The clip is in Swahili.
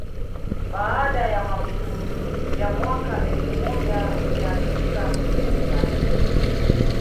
Baada ya mapinduzi ya mwaka elfu moja mia tisa sitini na nne